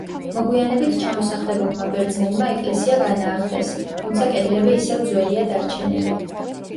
მოგვიანებით ჩამოსახლებულმა ბერძნებმა ეკლესია განაახლეს, თუმცა კედლები ისევ ძველია დარჩენილი.